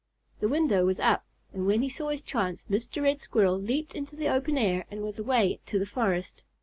The window was up, and when he saw his chance, Mr. Red Squirrel leaped into the open air and was away to the forest.